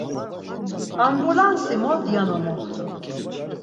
Ambulansi mot yano moxtu?